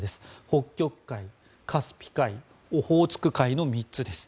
北極海、カスピ海オホーツク海の３つです。